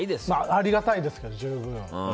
ありがたいんですけど、十分。